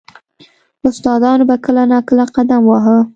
• استادانو به کله نا کله قدم واهه.